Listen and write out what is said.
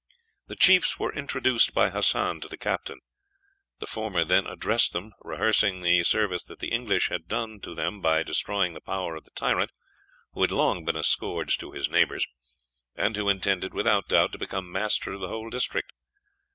The chiefs were introduced by Hassan to the captain. The former then addressed them, rehearsing the service that the English had done to them by destroying the power of the tyrant who had long been a scourge to his neighbors, and who intended, without doubt, to become master of the whole district.